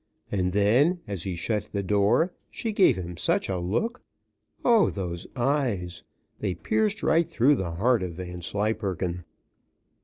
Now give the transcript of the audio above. And then, as he shut the door, she gave him such a look O those eyes! they pierced right through the heart of Vanslyperken.